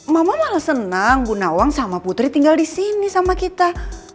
mama malah senang bu nawang sama putri tinggal di sini sama kita